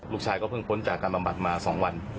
ลูกชายก็เพิ่งพ้นจากการบำบัดมา๒วัน